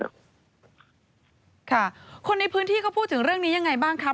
ค่ะคนในพื้นที่เขาพูดถึงเรื่องนี้ยังไงบ้างครับ